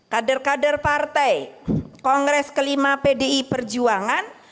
kader kader partai kongres kelima pdi perjuangan